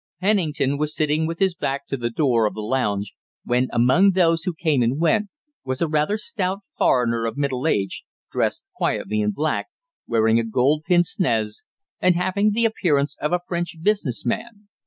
Pennington was sitting with his back to the door of the lounge, when, among those who came and went, was a rather stout foreigner of middle age, dressed quietly in black, wearing a gold pince nez, and having the appearance of a French business man.